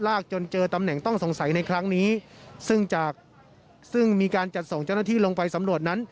จนเจอตำแหน่งต้องสงสัยในครั้งนี้ซึ่งจากซึ่งมีการจัดส่งเจ้าหน้าที่ลงไปสำรวจนั้น